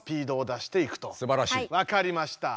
わかりました。